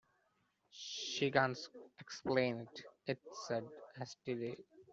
‘She can’t explain it,’ it said hastily.